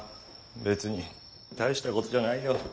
別に大したことじゃないよ。